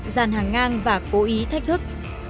dàn hàng ngang và cố ý thách thức